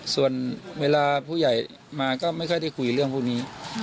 ส่วนเวลาผู้ใหญ่มาก็ไม่ค่อยได้คุยเรื่องพวกนี้